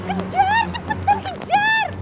kejar cepetan kejar